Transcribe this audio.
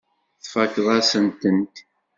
Tfakkeḍ-asen-tent.